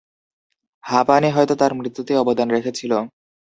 হাঁপানি হয়তো তার মৃত্যুতে অবদান রেখেছিল।